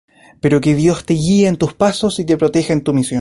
Pero que Dios guíe tus pasos y te proteja en tu misión.